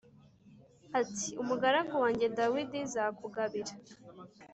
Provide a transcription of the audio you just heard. ati ‘Umugaragu wanjye Dawidi zakugabira